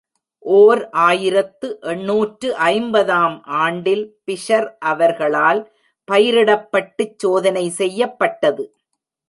ஓர் ஆயிரத்து எண்ணூற்று ஐம்பது ஆம் ஆண்டில் பிஷர் அவர்களால் பயிரிடப்பட்டுச் சோதனை செய்யப்பட்டது.